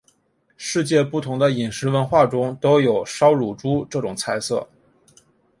世界不同的饮食文化中都有烧乳猪这种菜色。